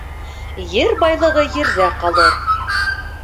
Ер байлығы ерҙә ҡалыр.